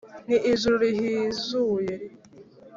ni ijuru rihizuye